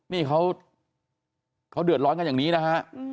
นี่เขาเดือดร้อนกันอย่างนี้นะฮะ